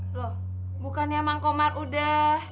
loh bukannya mang komar udah